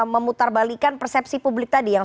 memutarbalikan persepsi publik tadi yang